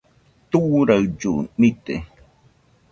Turaillu nite